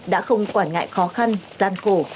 đã không quản ngại khó khăn gian khổ